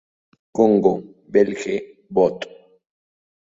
Congo Belge, Bot.